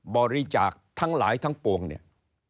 บริจาคทั้งหลายทั้งปวงเนี่ย